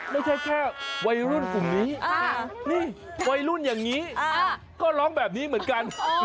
ไม่ใช่แค่วัยรุ่นกลุ่มนี้นี่วัยรุ่นอย่างนี้ก็ร้องแบบนี้เหมือนกัน